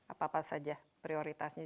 apa apa saja prioritasnya